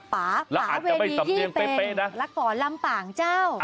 ประเพณียี่เป็งละก่อนลำปางเจ้า